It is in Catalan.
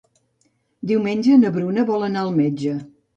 Diumenge na Bruna vol anar al metge.